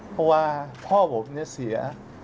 เพราะว่าพ่อผมเนี่ยเสีย